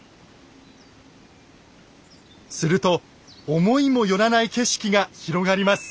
すると思いも寄らない景色が広がります。